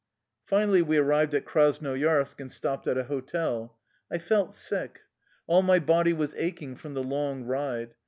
Finally we arrived in Krasnoyarsk, and stopped at a hotel. I felt sick. All my body was aching from the long ride.